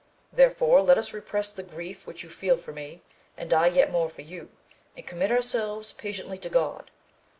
Therefore let us repress the grief which you feel for me, and I yet more for you, and commit ourselves patiently to God.